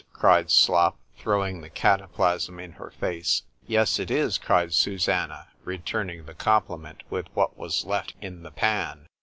cried Slop, throwing the cataplasm in her face;——Yes, it is, cried Susannah, returning the compliment with what was left in the pan.